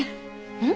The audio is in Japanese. うん？